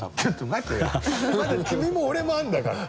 まだ君も俺もあんだから。